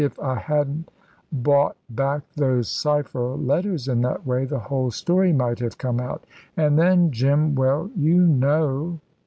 "If I hadn't bought back those cypher letters in that way the whole story might have come out. And then, Jim well, you know."